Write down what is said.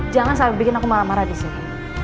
jangan sampai bikin aku marah marah disini